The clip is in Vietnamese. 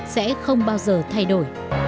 sẽ không bao giờ thay đổi